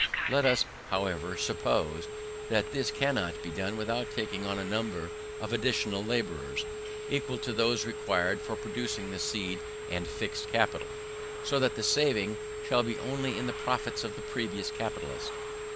Let us, however, suppose that this cannot be done without taking on a number of additional labourers, equal to those required for producing the seed and fixed capital; so that the saving shall be only in the profits of the previous capitalists.